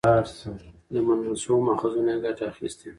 له منل شويو ماخذونو يې ګټه اخستې